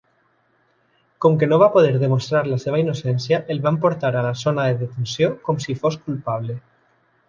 Com que no va poder demostrar la seva innocència, el van portar a la zona de detenció com si fos culpable.